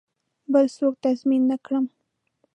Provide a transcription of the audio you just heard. بل څوک تضمین نه کړم.